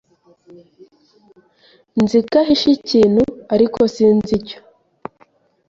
Nzi ko ahishe ikintu, ariko sinzi icyo.